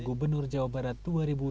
gubernur jawa barat dua ribu delapan belas